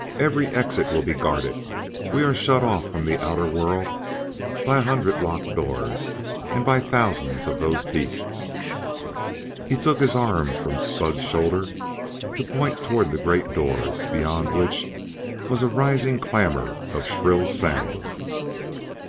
Every exit will be guarded; we are shut off from the outer world by a hundred locked doors and by thousands of those beasts." He took his arm from Spud's shoulder to point toward the great doors, beyond which was a rising clamor of shrill sound.